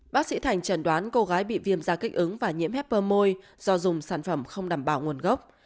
bác sĩ thành trần đoán cô gái bị viêm da kích ứng và nhiễm hepper môi do dùng sản phẩm không đảm bảo nguồn gốc